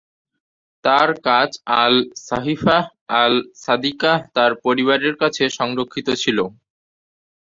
তার কাজ আল-সাহিফাহ আল-সাদিকাহ তার পরিবারের কাছে সংরক্ষিত ছিল।